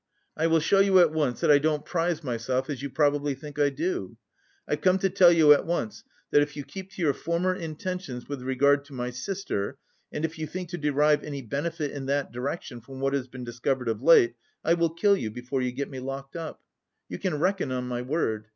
I will show you at once that I don't prize myself as you probably think I do. I've come to tell you at once that if you keep to your former intentions with regard to my sister and if you think to derive any benefit in that direction from what has been discovered of late, I will kill you before you get me locked up. You can reckon on my word.